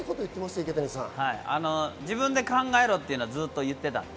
自分で考えろっていうのは、ずっと言っていたので。